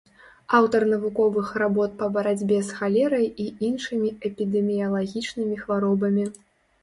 Аўтар навуковых работ па барацьбе з халерай і іншымі эпідэміялагічнымі хваробамі.